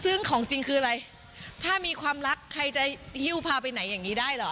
ซึ่งของจริงคืออะไรถ้ามีความรักใครจะหิ้วพาไปไหนอย่างนี้ได้เหรอ